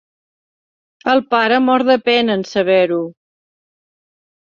El pare mor de pena en saber-ho.